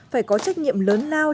phải có trách nhiệm lớn lao